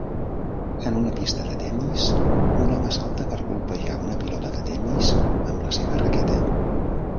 En una pista de tennis, un home salta per colpejar una pilota de tennis amb la seva raqueta.